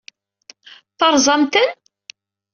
Teṛṛẓam-ten?